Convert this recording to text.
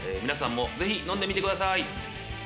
皆さんもぜひ飲んでみてくだ